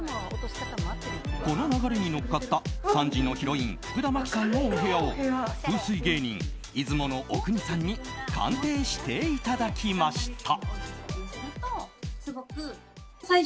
この流れに乗っかった３時のヒロイン福田麻貴さんのお部屋を風水芸人・出雲阿国さんに鑑定していただきました。